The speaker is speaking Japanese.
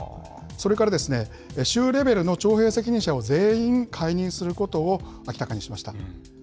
それから、州レベルの徴兵責任者を全員解任することを明らかにしました。